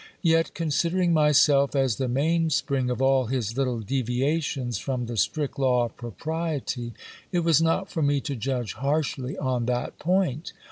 Yet, considering myself as the main spring of all his little devia tions from the strict law of propriety, it was not for me to judge harshly on that point.